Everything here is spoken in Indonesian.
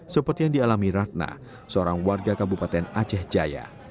seperti yang dialami ratna seorang warga kabupaten aceh jaya